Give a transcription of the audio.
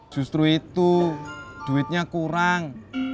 justru itu duitnya kurang